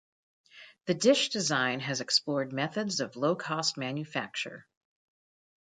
The dish design has explored methods of low-cost manufacture.